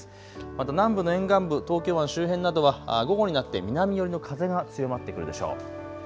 また南部の沿岸部、東京湾周辺などは午後になって南寄りの風が強まってくるでしょう。